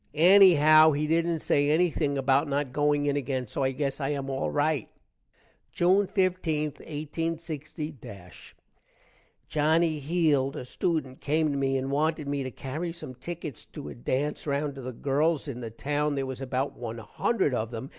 ennyhow he dident say ennything about not going in again, so i gess i am all rite. June 15, 186 Johnny Heeld, a student, came to me and wanted me to carry some tickets to a dance round to the girls in the town. there was about 1 hundred of them.